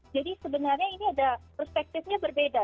jadi sebenarnya ini ada perspektifnya berbeda